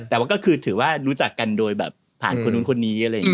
แต่ว่าก็คือถือว่ารู้จักกันโดยแบบผ่านคนนู้นคนนี้อะไรอย่างนี้